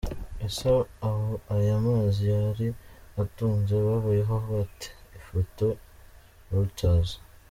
Ese abo aya mazi yari atunze babayeho bate? Ifoto: Reuters.